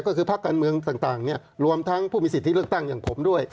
ก็คือภาคการเมืองต่างรวมทั้งผู้มีสิทธิเลือกตั้งอย่างผมด้วย